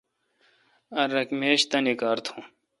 ار اک میش تانی کار تھوں۔